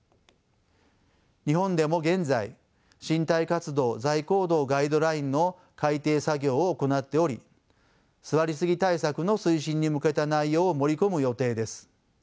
日本でも現在「身体活動・座位行動ガイドライン」の改訂作業を行っており座りすぎ対策の推進に向けた内容を盛り込む予定です。